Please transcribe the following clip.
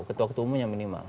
ketua ketumunya minimal